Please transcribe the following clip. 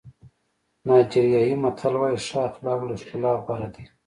نایجیریایي متل وایي ښه اخلاق له ښکلا غوره دي.